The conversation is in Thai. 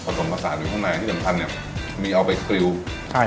สมผสานอยู่ข้างในที่สำคัญเนี้ยมีเอาไปสลิวใช่